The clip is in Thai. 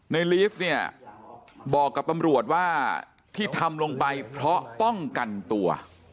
ในลีฟเนี่ยบอกกับตำรวจว่าที่ทำลงไปเพราะป้องกันตัว